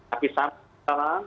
tapi sampai sekarang